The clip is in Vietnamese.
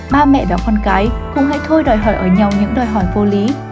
ba mẹ và con cái không hãy thôi đòi hỏi ở nhau những đòi hỏi vô lý